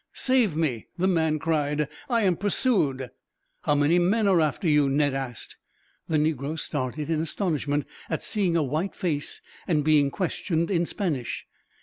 "Save me," the man cried. "I am pursued." "How many men are after you?" Ned asked. The negro started in astonishment, at seeing a white face and being questioned in Spanish.